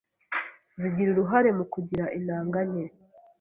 zigira uruhare mu kugira intanga nke